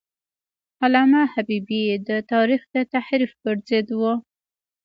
علامه حبیبي د تاریخ د تحریف پر ضد و.